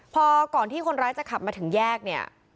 พอก่อนที่คนร้ายจะขับมาถึงแยกเนี่ย